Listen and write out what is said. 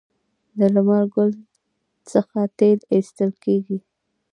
د لمر ګل څخه تیل ایستل کیږي.